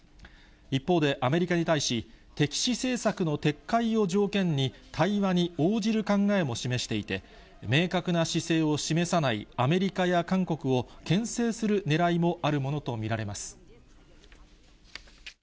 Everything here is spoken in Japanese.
一方でアメリカに対し、敵視政策の撤回を条件に、対話に応じる考えも示していて、明確な姿勢を示さないアメリカや韓国をけん制するねらいもあるものと見られます。